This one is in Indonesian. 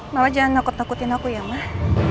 mama jangan nakut nakutin aku ya mah